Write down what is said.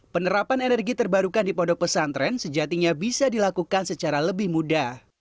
penerapan energi terbarukan di pondok pesantren sejatinya bisa dilakukan secara lebih mudah